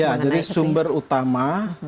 ya jadi sumber utama